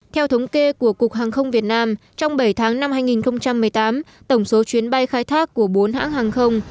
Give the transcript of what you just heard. theo thống kê của cục hàng không việt nam trong bảy tháng năm hai nghìn một mươi tám tổng số chuyến bay khai thác của bốn hãng hàng không